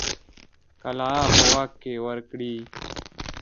قلعه په واک کې ورکړي.